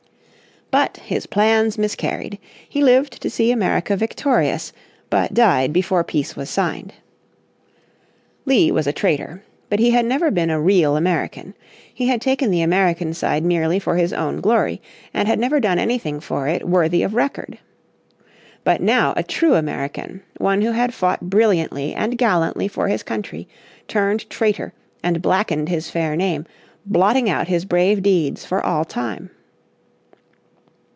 But his plans miscarried. He lived to see American victorious, but died before peace was signed. Lee was a traitor. But he had never been a real American. He had taken the American side merely for his own glory, and had never done anything for it worthy of record. But now a true American, one who had fought brilliantly and gallantly for this country, turned traitor, and blackened his fair name, blotting out his brave deeds for all time.